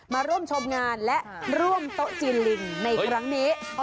มาร่วมชมงานและร่วมโต๊ะจีนลิงในครั้งนี้